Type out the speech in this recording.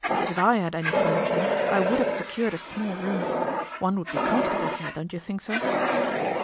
If I had any furniture, I would have secured a small room. One would be comfortable here, don't you think so?"